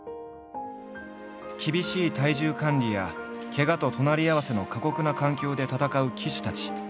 厳しい体重管理やケガと隣り合わせの過酷な環境で戦う騎手たち。